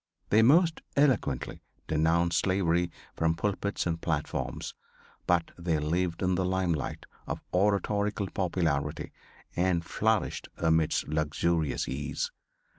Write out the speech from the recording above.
They most eloquently denounced slavery from pulpits and platforms; but they lived in the limelight of oratorical popularity and flourished amidst luxurious ease.